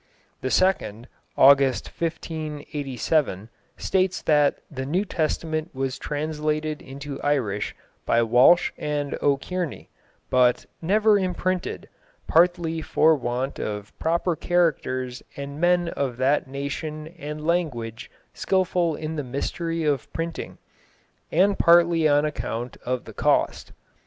The second (August 1587) states that the New Testament was translated into Irish by Walsh and O'Kearney, but "never imprynted, partlie for want of proper characters and men of that nacion and language skillful in the mystery of pryntyng," and partly on account of the cost.